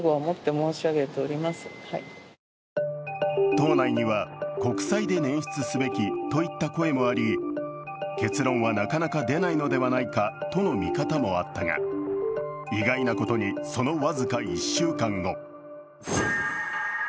党内には国債で捻出すべきといった声もあり結論はなかなか出ないのではないかとの見方もあったが意外なことに、その僅か１週間後